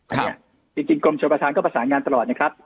ครับจริงจริงกรมเชียวประทานก็ประสานงานตลอดนะครับ